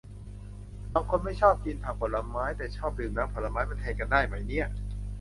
บางคนไม่ชอบกินผักผลไม้ แต่ชอบดื่มน้ำผลไม้ มันแทนกันได้ไหมเนี่ย